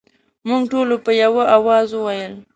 موږ ټولو په یوه اواز وویل.